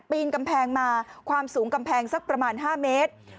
ปีนกำแพงมาความสูงกำแพงสักประมาณ๕เมตร